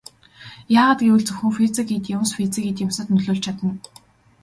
Яагаад гэвэл зөвхөн физик эд юмс физик эд юмсад нөлөөлж чадна.